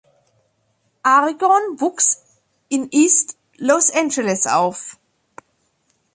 Aragon wuchs in East Los Angeles auf.